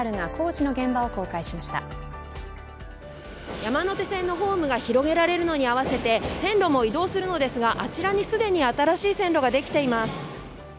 山手線のホームが広げられるのに合わせて線路も移動するのですが、あちらに既に新しい線路ができています。